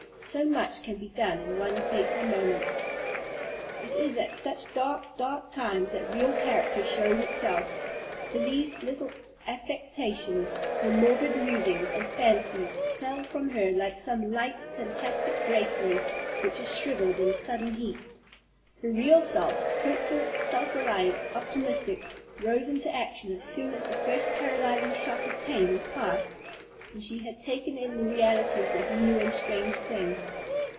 So much can be done in one fatal moment. It is at such dark, dark times that real character shows itself. Felie's little affectations, her morbid musings and fancies, fell from her like some light, fantastic drapery, which is shrivelled in sudden heat. Her real self hopeful, self reliant, optimistic rose into action as soon as the first paralyzing shock of pain was past, and she had taken in the reality of this new and strange thing.